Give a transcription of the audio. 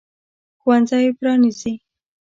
ښوونځی پرانیزي.